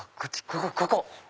ここここ！